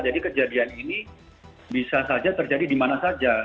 jadi kejadian ini bisa saja terjadi di mana saja